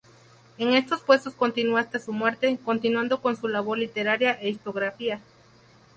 En estos puestos continúa hasta su muerte, continuando con su labor literaria e historiográfica.